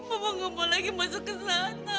mama gak mau lagi masuk ke sana